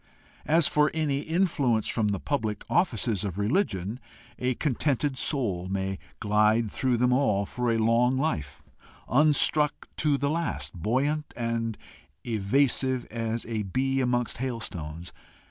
As for any influence from the public offices of religion, a contented soul may glide through them all for a long life, unstruck to the last, buoyant and evasive as a bee amongst hailstones.